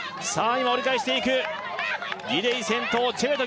今折り返していくギデイ先頭チェベト